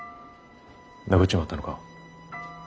殴っちまったのか？